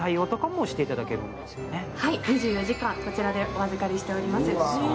２４時間、こちらでお預かりしております。